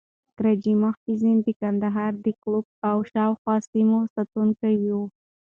ګرجي محافظین د کندهار د قلعه او شاوخوا سیمو ساتونکي وو.